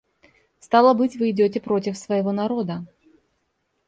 Стало быть, вы идете против своего народа?